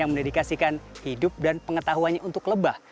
yang akan mendidikasikan hidup dan pengetahuannya untuk lebah